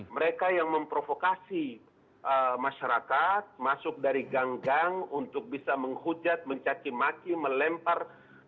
mereka yang memprovokasi masyarakat masuk dari gang gang untuk bisa menghujat mencacimaki melempar